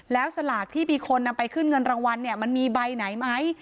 แล้วสลากที่มีคนนำไปขึ้นเงินรางวัลเนี่ยมันมีใบไหนไหม